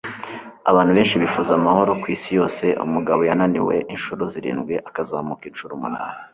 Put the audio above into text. Abantu benshi bifuza amahoro kwisi yose. Umugabo yananiwe inshuro zirindwi akazamuka inshuro umunani.